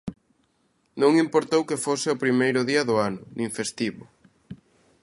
Non importou que fose o primeiro día do ano, nin festivo.